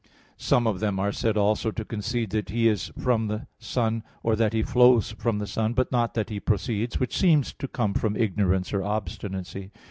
Some of them are said also to concede that "He is from the Son"; or that "He flows from the Son," but not that He proceeds; which seems to come from ignorance or obstinacy.